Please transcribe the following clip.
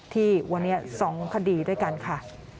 ที่วันนี้๒คดีด้วยกันค่ะ